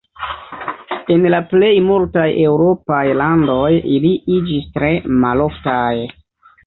En la plej multaj eŭropaj landoj ili iĝis tre maloftaj.